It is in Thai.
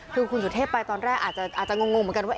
คือคุณสุเทพไปตอนแรกอาจจะงงเหมือนกันว่า